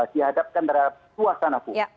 dihadapkan dari suasana publik